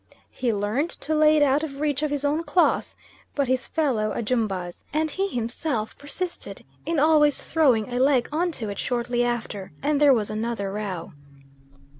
He learnt to lay it out of reach of his own cloth, but his fellow Ajumbas and he himself persisted in always throwing a leg on to it shortly after, and there was another row.